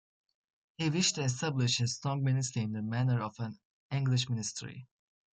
He wished to establish a strong ministry in the manner of an English ministry.